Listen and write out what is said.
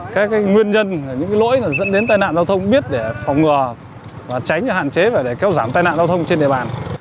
các nguyên nhân những lỗi dẫn đến tai nạn giao thông biết để phòng ngừa tránh hạn chế và kéo giảm tai nạn giao thông trên đề bàn